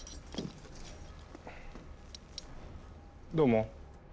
どうも。